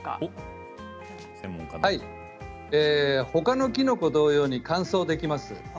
他のキノコ同様に乾燥できます。